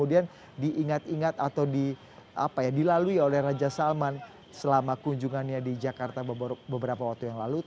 diingat ingat atau dilalui oleh raja salman selama kunjungannya di jakarta beberapa waktu yang lalu